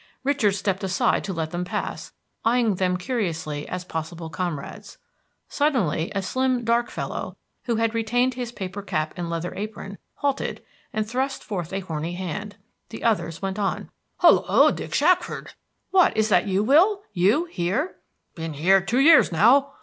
Richard stepped aside to let them pass, eying them curiously as possible comrades. Suddenly a slim dark fellow, who had retained his paper cap and leather apron, halted and thrust forth a horny hand. The others went on. "Hullo, Dick Shackford!" "What, is that you, Will? You here?" "Been here two years now.